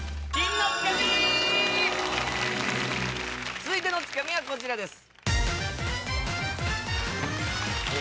続いてのツカミはこちらです。